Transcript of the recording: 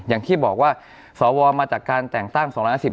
อย่างที่บอกว่าสวมาจากการแต่งตั้ง๒๕๐